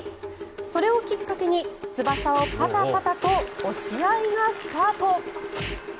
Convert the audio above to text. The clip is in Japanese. それをきっかけに翼をパタパタと押し合いがスタート。